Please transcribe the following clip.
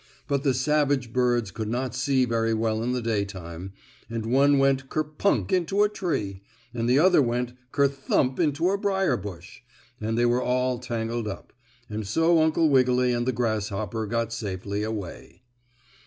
But the savage birds could not see very well in the day time, and one went ker bunk into a tree, and the other went ker thump into a briar bush, and they were all tangled up, and so Uncle Wiggily and the grasshopper got safely away.